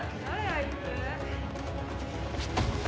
あいつ。